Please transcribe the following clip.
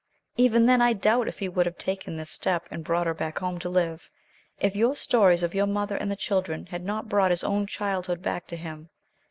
Even then, I doubt if he would have taken this step, and brought her back home to live, if your stories of your mother and the children had not brought his own childhood back to him.